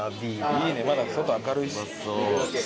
いいねまだ外明るいし。